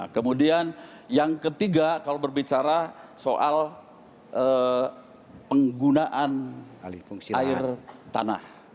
kemudian yang ketiga kalau berbicara soal penggunaan air tanah